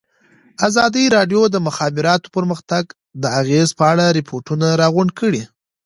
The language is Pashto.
ازادي راډیو د د مخابراتو پرمختګ د اغېزو په اړه ریپوټونه راغونډ کړي.